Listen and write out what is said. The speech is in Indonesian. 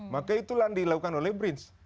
maka itulah yang dilakukan oleh brinz